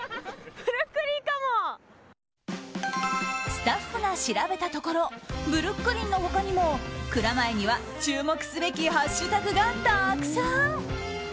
スタッフが調べたところブルックリンの他にも蔵前には、注目すべきハッシュタグがたくさん。